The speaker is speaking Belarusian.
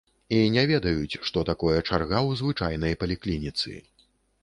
І не ведаюць, што такое чарга ў звычайнай паліклініцы.